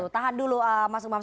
tahan dulu mas umam